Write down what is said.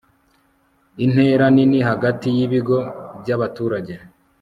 intera nini hagati y'ibigo by'abaturage